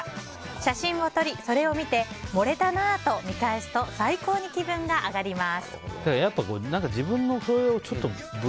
写真を撮り、それを見て盛れたなーと見返すと最高に気分が上がります。